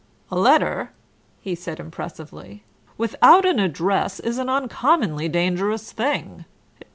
"A letter," he said impressively, "without an address is an uncommonly dangerous thing.